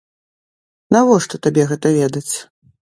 Навошта табе гэта ведаць?